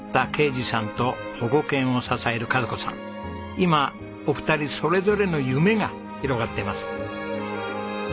今お二人それぞれの夢が広がっています。